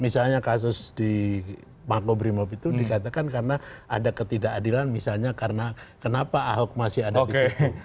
misalnya kasus di makobrimob itu dikatakan karena ada ketidakadilan misalnya karena kenapa ahok masih ada di sini